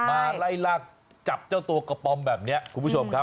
มาไล่ลากจับเจ้าตัวกระป๋อมแบบนี้คุณผู้ชมครับ